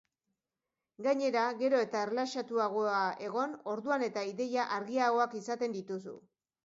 Gainera, gero eta erlaxatuagoa egon, orduan eta ideia argiagoak izaten dituzu.